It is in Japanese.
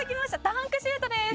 ダンクシュートです」